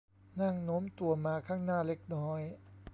นั่งโน้มตัวมาข้างหน้าเล็กน้อย